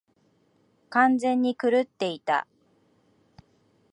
完全に狂っていた。